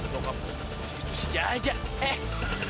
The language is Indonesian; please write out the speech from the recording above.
pusing aja aja